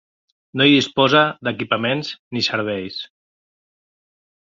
No hi disposa d'equipaments ni serveis.